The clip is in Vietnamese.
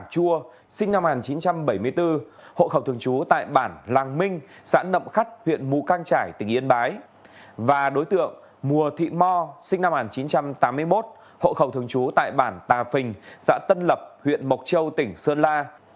hộ khẩu thường chú tại bản tà phình xã tân lập huyện mộc châu tỉnh sơn la